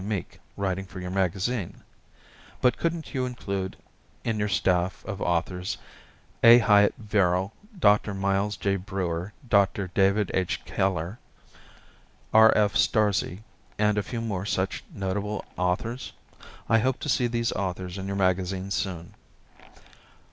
Meek writing for your magazine, but couldn't you include in your staff of authors A. Hyatt Verrill, Dr. Miles J. Breuer, Dr. David H. Keller, R. F. Starzl, and a few more such notable authors? I hope to see these authors in your magazine soon.